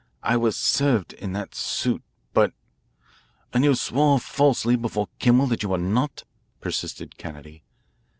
I was served in that suit. But " "And you swore falsely before Kimmel that you were not?" persisted Kennedy.